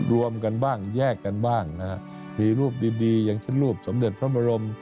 รวมกันบ้างแยกกันบ้างนะฮะมีรูปดีอย่างเช่นรูปสมเด็จพระบรม